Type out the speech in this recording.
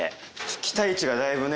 期待値がだいぶね。